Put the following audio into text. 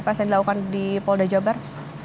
masih pasti dilakukan di wolda jabar